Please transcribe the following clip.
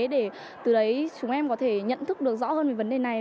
để từ đấy chúng em có thể nhận thức được rõ hơn về vấn đề này